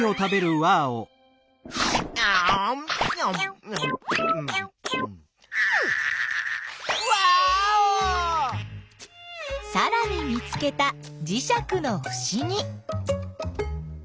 ワーオ！さらに見つけたじしゃくのふしぎ。